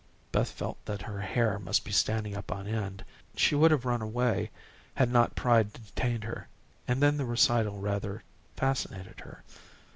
Beth felt that her hair must be standing up on end. She would have run away, had not pride detained her and then the recital rather fascinated her.